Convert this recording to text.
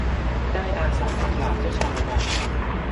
ได้อาสามาปราบเจ้าชาละวัน